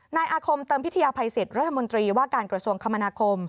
นายอาคมเติมพิทยาภัยสิทธิ์รัฐมนตรีว่าการกระทรวงคมนาคม